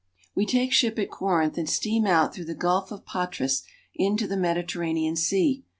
WE take ship at Corinth and steam out through the Gulf of Patras into the Mediterranean Sea.